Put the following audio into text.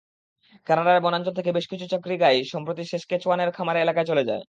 কানাডার বনাঞ্চল থেকে বেশ কিছু চমরি গাই সম্প্রতি সেসকেচওয়ানের খামার এলাকায় চলে যায়।